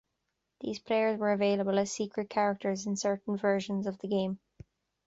These players were available as secret characters in certain versions of the game.